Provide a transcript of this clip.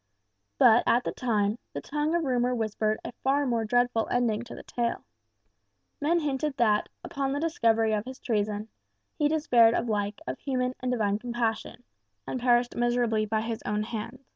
But, at the time, the tongue of rumour whispered a far more dreadful ending to the tale. Men hinted that, upon the discovery of his treason, he despaired alike of human and divine compassion, and perished miserably by his own hand.